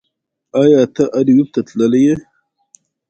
ایا ته اریوب ته تللی یې